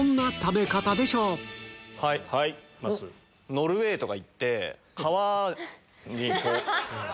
ノルウェーとか行って川にこう。